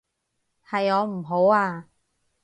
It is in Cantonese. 係我唔好啊